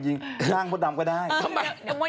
จ้างวัดดำก็ได้ทำไม